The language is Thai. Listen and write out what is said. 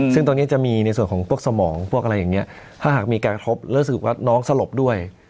ซึ่งตอนนี้จะมีในส่วนของพวกสมองพวกอะไรอย่างนี้ถ้าหากมีการกระทบรู้สึกว่าน้องสลบด้วย